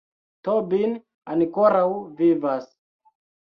Tobin ankoraŭ vivas!